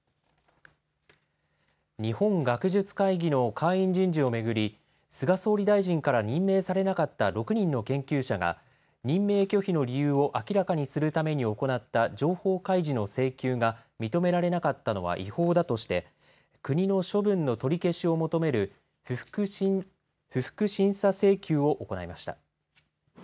日本学術会議の会員人事を巡り菅総理大臣から任命されなかった６人の研究者が任命拒否の理由を明らかにするために行った情報開示の請求が認められなかったのは違法だとして国の処分の取り消しを求める不服審査請求を行いました。